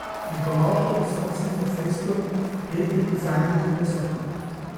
Die überraschte Besatzung der Festung erblickte die Feinde über sich.